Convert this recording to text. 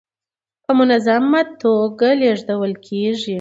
په منظمه ټوګه لېږدول کيږي.